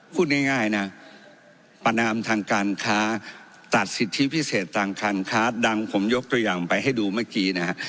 พูดง่ายนะประนามทางการค้าตัดสิทธิพิเศษทางการค้าดังผมยกตัวอย่างไปให้ดูเมื่อกี้นะฮะ